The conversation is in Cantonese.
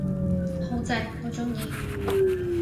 好正，我鍾意